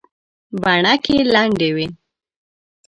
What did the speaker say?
بڼکې لندې وې.